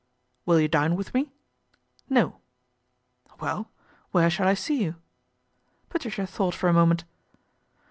' Will you dine with me ?" No." ' Well, where shall I see you ?" Patricia thought for a moment.